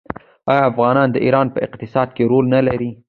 آیا افغانان د ایران په اقتصاد کې رول نلري؟